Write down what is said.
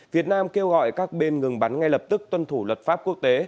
việt nam kêu gọi các bên ngừng bắn ngay lập tức tuân thủ luật pháp quốc tế